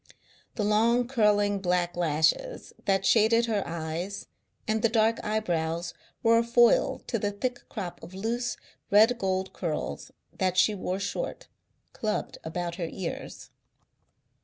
The long, curling black lashes that shaded her eyes and the dark eyebrows were a foil to the thick crop of loose, red gold curls that she wore short, clubbed about her ears.